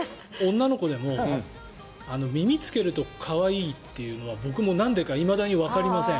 女の子でも耳を着けると可愛いってのは僕もなんでかいまだにわかりません。